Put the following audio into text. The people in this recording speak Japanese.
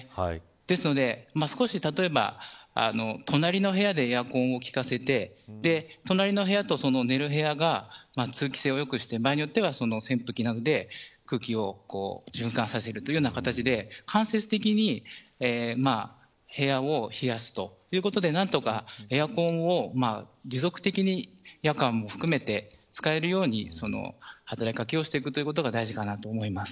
ですので、少し例えば隣の部屋でエアコンを効かせて隣の部屋と寝る部屋が通気性を良くして場合によっては扇風機などで空気を循環させるというような形で間接的に部屋を冷やすということで何とかエアコンを持続的に夜間も含めて使えるように働き掛けをしていくことが大事かなと思います。